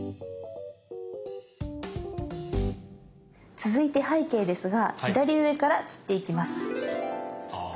続いて背景ですが左上から切っていきます。